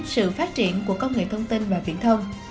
sự phát triển của công nghệ thông tin và viễn thông